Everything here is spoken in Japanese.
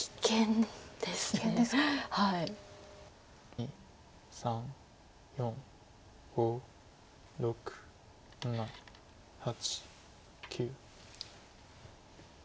２３４５６７８９。